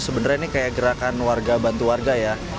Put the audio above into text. sebenarnya ini kayak gerakan warga bantu warga ya